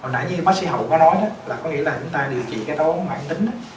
như em bé nó nói đó là có nghĩa là chúng ta điều trị cái táo bón bản tính đó